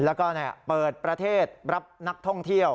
แล้วก็เปิดประเทศรับนักท่องเที่ยว